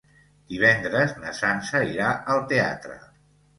Divendres na Sança irà al teatre.